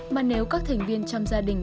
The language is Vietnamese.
mà nếu các thành viên trong gia đình